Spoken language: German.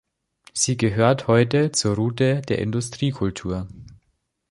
Sie gehört heute zur Route der Industriekultur.